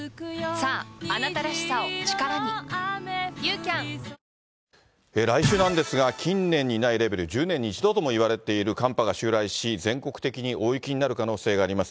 さすが“三井のすずちゃん”ちょやめてよ三井不動産来週なんですが、近年にないレベル、１０年に１度とも言われている寒波が襲来し、全国的に大雪になる可能性があります。